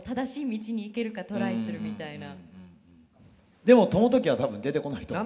でも朝時は多分出てこないと思う。